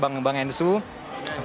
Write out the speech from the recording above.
bang nato semuanya segalanya